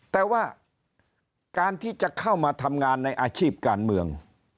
แต่ว่าการที่จะเข้ามาทำงานในอาชีพการเมือง